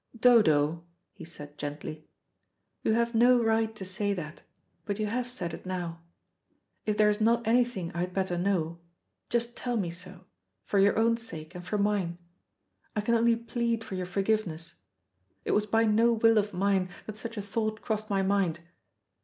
"Dodo," he said gently, "you have no right to say that, but you have said it now. If there is not anything I had better know, just tell me so, for your own sake and for mine. I can only plead for your forgiveness. It was by no will of mine that such a thought crossed my mind.